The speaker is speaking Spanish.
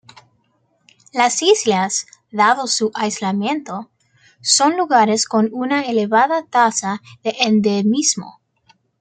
Las islas, dado su aislamiento, son lugares con una elevada tasa de endemismo.